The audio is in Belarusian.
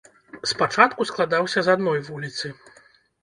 Спачатку складаўся з адной вуліцы.